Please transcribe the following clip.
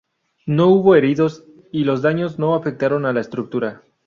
No hubo heridos y los daños no afectaron a la estructura.